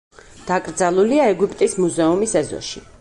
დაკრძალულია ეგვიპტის მუზეუმის ეზოში.